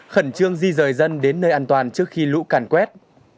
khẩn trương di rời dân đến nơi an toàn trước khi lũ càn quét